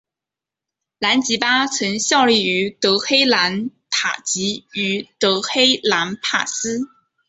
兰吉巴曾效力于德黑兰塔吉于德黑兰帕斯。